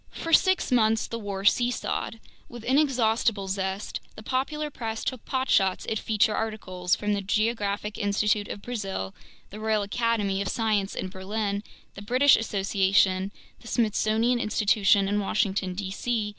For six months the war seesawed. With inexhaustible zest, the popular press took potshots at feature articles from the Geographic Institute of Brazil, the Royal Academy of Science in Berlin, the British Association, the Smithsonian Institution in Washington, D.C.